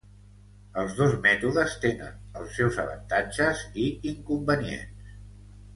Els dos mètodes tenen els seus avantatges i inconvenients.